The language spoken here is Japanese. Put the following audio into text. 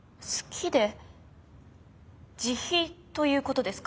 自費ということですか？